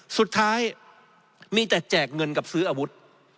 สุดท้ายมีแต่แจกเงินกับซื้ออาวุธ